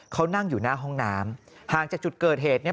เขานั่งอยู่หน้าห้องน้ำห่างจากจุดเกิดเหตุเนี่ย